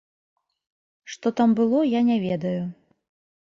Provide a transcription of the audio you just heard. Што там было, я не ведаю.